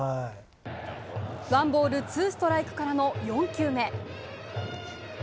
ワンボールツーストライクからの４球目。